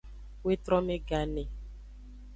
Wetrome gane.